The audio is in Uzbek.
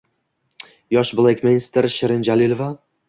yosh balekmeystr Shirin Jalilova